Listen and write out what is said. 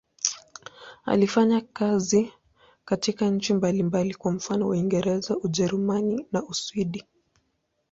Alifanya kazi katika nchi mbalimbali, kwa mfano Uingereza, Ujerumani na Uswidi.